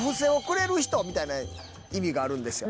みたいな意味があるんですよ。